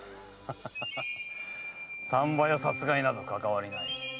丹波屋殺害などかかわりない。